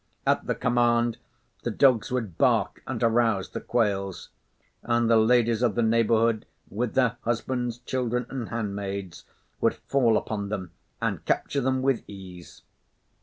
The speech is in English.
At the command, the dogs would bark and arouse the quails; and the ladies of the neighbourhood, with their husbands, children and hand maids, would fall upon them and capture them with ease.